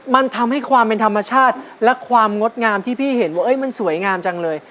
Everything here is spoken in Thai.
มันทำให้ความเป็นธรรมชาติและความงดงามที่พี่เห็นว่ามันสวยงามจังเลย